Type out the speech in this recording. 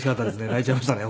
泣いちゃいましたね